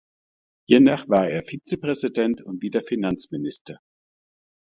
Hiernach war er Vizepräsident und wieder Finanzminister.